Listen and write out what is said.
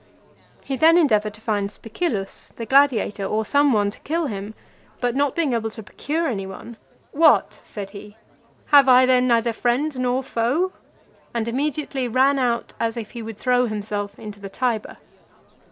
He then endeavoured to find Spicillus, the gladiator, or some one to kill him; but not being able to procure any one, "What!" said he, "have I then neither friend nor foe?" and immediately ran out, as if he would throw himself into the Tiber.